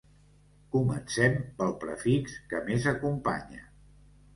Comencem pel prefix que més acompanya.